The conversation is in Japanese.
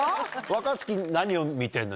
若槻何を見てんの？